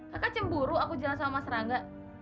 kakak cemburu aku jalan sama mas serangga